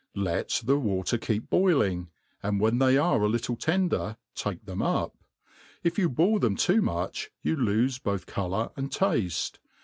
Let the water keep boiling, And when they are a tittle tender take them up. If you boil them too much you loofe both colour and tafte.